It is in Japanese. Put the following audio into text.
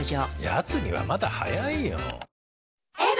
やつにはまだ早いよ。